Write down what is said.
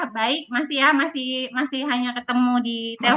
baik masih ya masih hanya ketemu di telpon